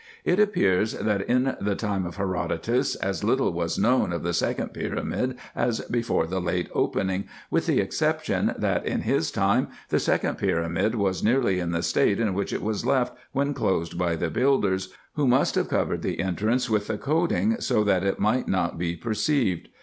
It appears, that in the time of Herodotus as little was known of the second pyramid as before the late opening, with this exception, that in his time the second pyramid IN EGYPT, NUBIA, &c. 277 was nearly in the state in which it was left when closed by the builders, who must have covered the entrance with the coating, so that it might not be perceived.